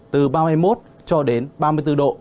từ ba mươi một cho đến ba mươi bốn độ